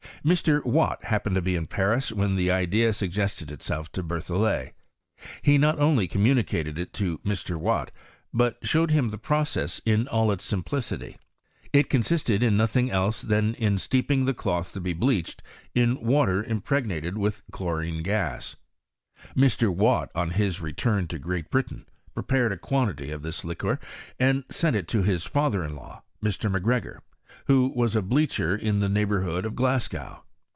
Mr. Watt happened to be in Paris when the idea suggested itself to Berthollet. He not only communicated it to Mr. Watt, but showed him the process in all its simplicity. It consisted in nothing else than in steeping the cloth to be bleached in water impreg nated with chlorine gas, Mr. Watt, on his return to Great Britain, prepared a quantity of this liquor, and sent it to his father in law, Mr, Macgregor, who was a bleacher in the neighbourhood of Glas gow.